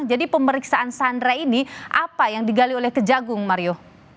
jadi pemeriksaan sandra ini apa yang digali oleh kejagung mario